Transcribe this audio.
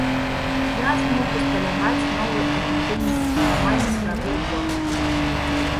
Я змог усталяваць новы афіцыйны экстрэмальны сілавы рэкорд.